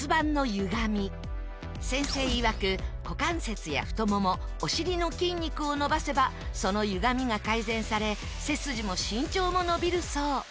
先生いわく股関節や太ももお尻の筋肉を伸ばせばその歪みが改善され背筋も身長も伸びるそう。